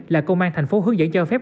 là công an thành phố hướng dẫn cho phép